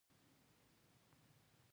تاسي او آغلې به لانده شئ او ناروغه به شئ.